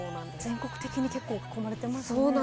全国的に結構囲まれていますね。